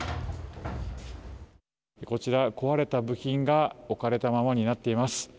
こちら、壊れた部品が置かれたままになっています。